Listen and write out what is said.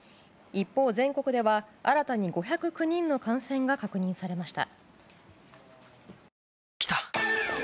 一方、全国では新たに５０９人の感染が確認されました。